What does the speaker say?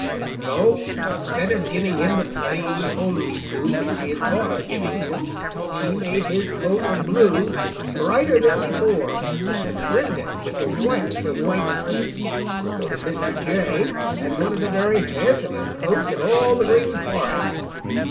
"So instead of giving him the plain, homely suit that she had thought of giving him, she made his coat of blue brighter than before and trimmed it with the whitest of white trimmings, so that Mr. Jay had one of the very handsomest coats in all the Green Forest.